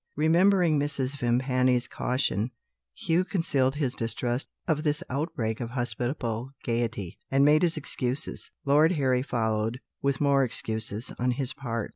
Remembering Mrs. Vimpany's caution, Hugh concealed his distrust of this outbreak of hospitable gaiety, and made his excuses. Lord Harry followed, with more excuses, on his part.